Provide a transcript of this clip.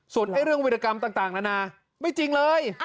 ส่วนเรื่องวิรกรรมต่างนานาไม่จริงเลย